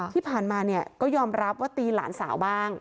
ที่ผ่านมาเนี่ยก็ยอมรับว่าตีหลานสาวบ้าง